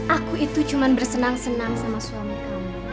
aku itu cuma bersenang senang sama suami kamu